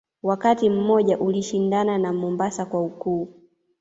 Wakati mmoja ulishindana na Mombasa kwa ukuu